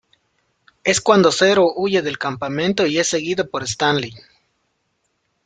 Es cuando Zero huye del campamento y es seguido por Stanley.